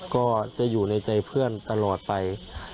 ก็จะอยู่ในใจเพื่อนตลอดไป